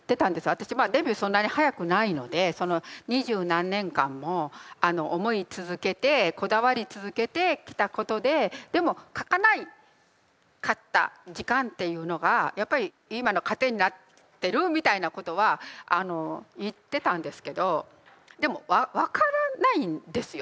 私デビューそんなに早くないのでその二十何年間も思い続けてこだわり続けてきたことででも書かなかった時間っていうのがやっぱり今の糧になってるみたいなことは言ってたんですけどでも分からないんですよ